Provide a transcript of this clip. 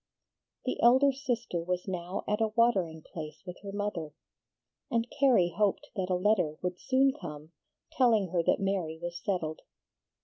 The elder sister was now at a watering place with her mother, and Carrie hoped that a letter would soon come telling her that Mary was settled.